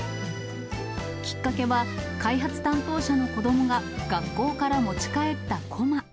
きっかけは、開発担当者の子どもが学校から持ち帰ったこま。